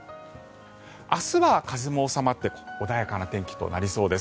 明日は風も収まって穏やかな天気となりそうです。